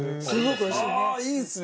いいですね！